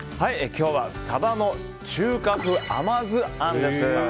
今日はサバの中華風甘酢あんです。